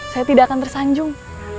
saya tidak akan tersanjung